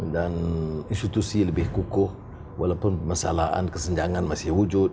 dan institusi lebih kukuh walaupun masalahan kesenjangan masih wujud